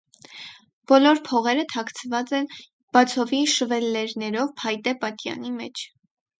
Բոլոր փողերը թաքցված են բացովի շվելլերներով փայտե պատյանի մեջ։